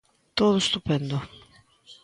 ¡Todo estupendo!